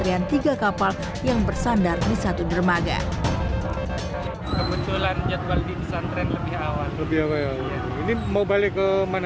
air penjabar keluar lantaran sudah terlalu lama berada